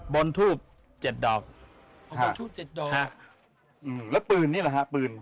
บรรทูปเจ็ดดอกแล้วปืนนี่จริง